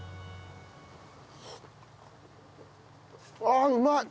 あっうまい！